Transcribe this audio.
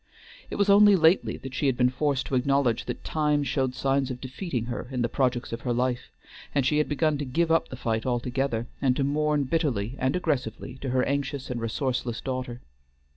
It was only lately that she had been forced to acknowledge that Time showed signs of defeating her in the projects of her life, and she had begun to give up the fight altogether, and to mourn bitterly and aggressively to her anxious and resourceless daughter.